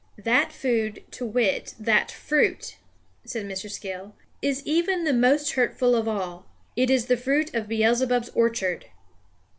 "That food, to wit, that fruit," said Mr. Skill, "is even the most hurtful of all. It is the fruit of Beelzebub's orchard."